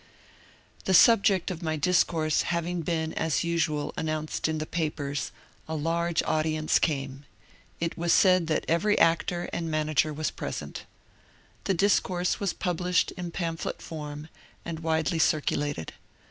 The subject of my discourse having been as usual an nounced in the papers, a large audience came ; it was said that every actor and manager was present The discourse was published in pamphlet form and widely circulated.